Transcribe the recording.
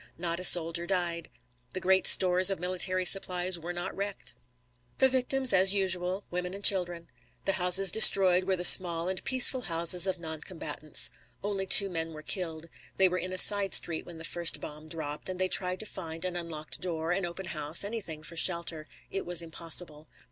Not a soldier died. The great stores of military supplies were not wrecked. The victims were, as usual, women and children. The houses destroyed were the small and peaceful houses of noncombatants. Only two men were killed. They were in a side street when the first bomb dropped, and they tried to find an unlocked door, an open house, anything for shelter. It was impossible.